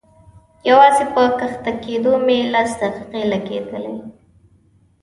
يوازې په کښته کېدو مې لس دقيقې لګېدلې.